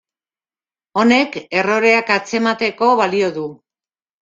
Honek erroreak atzemateko balio du.